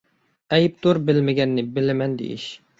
ئەيىبتۇر بىلمىگەننى بىلىمەن دېيىش.